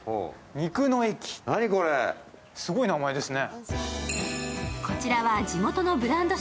肉の駅、すごい名前ですね